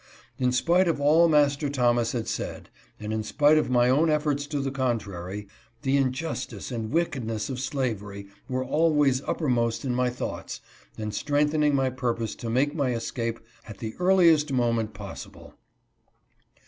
In spite of all Master Thomas had said and in spite of my own efforts to the contrary, the injustice and wickedness of slavery were always uppermost in my thoughts and strengthening my purpose to make my escape at the earliest moment possible.